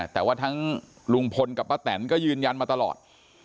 แต่ว่าทั้งลุงพลกับป้าแตนก็ยืนยันมาตลอด